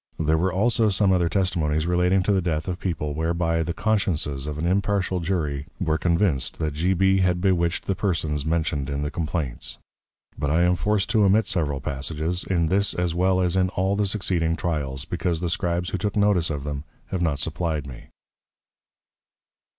There were also some other Testimonies relating to the Death of People whereby the Consciences of an Impartial Jury were convinced that G. B. had Bewitched the Persons mentioned in the Complaints. But I am forced to omit several passages, in this as well as in all the succeeding Tryals, because the Scribes who took notice of them, have not supplyed me.